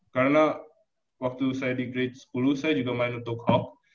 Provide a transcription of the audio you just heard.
karena waktu saya di grade sepuluh saya juga main untuk hawk